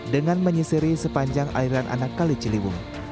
dengan menyisiri sepanjang aliran anakali ciliwung